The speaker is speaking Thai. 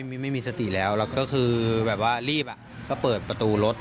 ใช่ไม่มีสติแล้วก็คือรีบเปิดประตูรถ